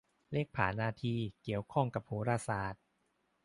เลขผานาทีเกี่ยวข้องกับโหราศาสตร์